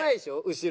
後ろ。